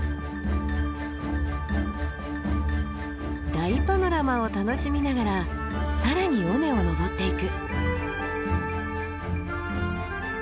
大パノラマを楽しみながら更に尾根を登っていく。